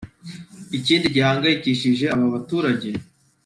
Ikindi gihangayikihishije aba baturage